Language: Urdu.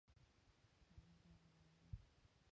ہم نے کیا بنا دیا؟